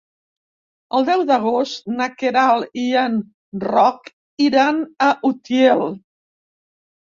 El deu d'agost na Queralt i en Roc iran a Utiel.